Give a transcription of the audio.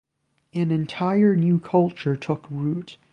An entire new culture took root.